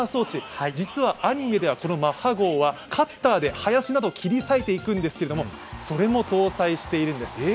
実はアニメではこのマッハ号はカッターで林などを切り裂いていくんですけれども、それも搭載しているんです。